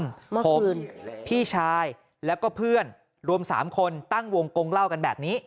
หกพี่ชายแล้วก็เพื่อนรวมสามคนตั้งวงกงเล่ากันแบบนี้